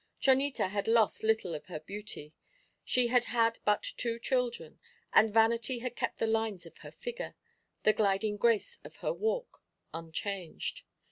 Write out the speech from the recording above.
Chonita had lost little of her beauty. She had had but two children; and vanity had kept the lines of her figure, the gliding grace of her walk, unchanged.